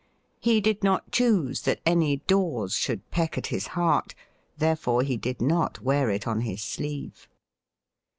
He did not choose that any daws should peck at his heart. Therefore he did not wear it on his sleeve.